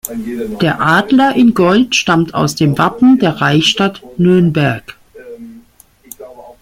Der Adler in Gold stammt aus dem Wappen der Reichsstadt Nürnberg.